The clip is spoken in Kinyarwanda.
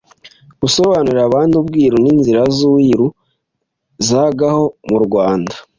Gusobanurira abandi ubwiru n’inzira z’uwiru zagaho mu Rwanda